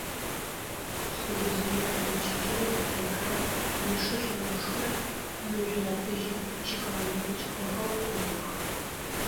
Хъулыжъые пэмычыжьэу Байкан ишы лъэужхэр мыжъо фыжьым щыхэгъэунэфыкӏыгъэхэу иӏэх.